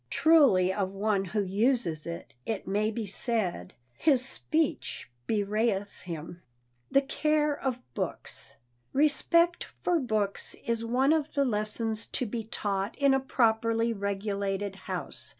Truly of one who uses it, it may be said, "his speech bewrayeth him." [Sidenote: THE CARE OF BOOKS] Respect for books is one of the lessons to be taught in a properly regulated house.